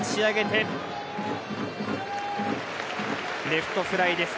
レフトフライです。